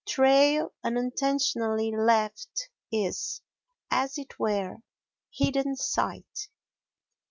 Trail unintentionally left is, as it were, hidden sight.